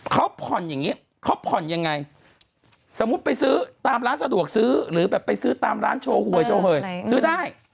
เขาผ่อนอย่างนี้เขาผ่อนยังไงสมมุติไปซื้อตามร้านสะดวกซื้อหรือแบบไปซื้อตามร้านโชว์หวยโชว์หวยซื้อได้